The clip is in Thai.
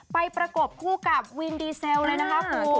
ประกบคู่กับวินดีเซลเลยนะคะคุณ